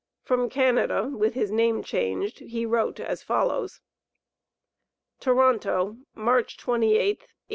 From Canada, with his name changed, he wrote as follows: TORONTO, March 28th, 1854.